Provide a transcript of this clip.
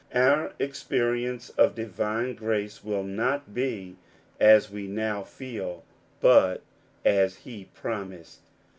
Our experience of divine grace will not be " as we now feel," but " as he promised."